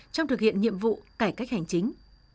trong thực hiện nhiệm vụ cải cách hành chính